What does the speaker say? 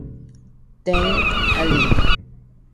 The Healing.